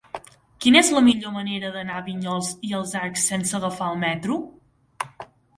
Quina és la millor manera d'anar a Vinyols i els Arcs sense agafar el metro?